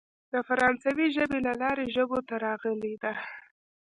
د فرانسوۍ ژبې له لارې ژبو ته راغلې ده.